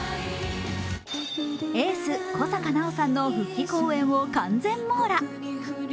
エース・小坂菜緒さんの復帰公演を完全網羅。